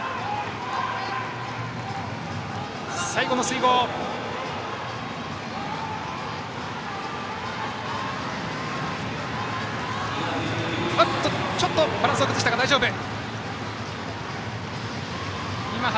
最後の水濠、ちょっとバランスを崩したが大丈夫。